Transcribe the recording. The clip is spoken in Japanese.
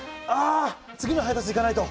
次の配達行かないと。